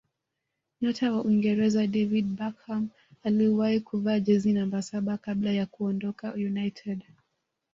nyota wa uingereza david beckham aliwahi kuvaa jezi namba saba kabla ya kuondoka united